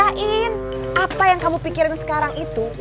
maksudnya mungkin apa yang kamu pikirin sekarang itu